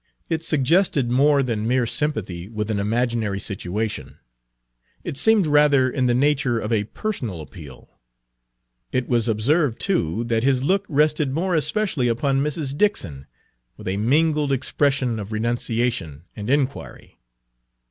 It suggested more than mere sympathy with an imaginary situation; it seemed rather in the nature of a personal appeal. It was observed, too, that his look rested more especially upon Mrs. Dixon, with a mingled expression of renunciation and inquiry.